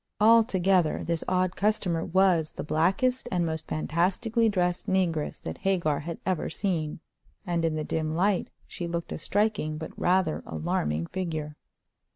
Altogether, this odd customer was the blackest and most fantastically dressed negress that Hagar had ever seen, and in the dim light she looked a striking but rather alarming figure.